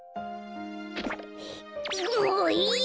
もういいよ！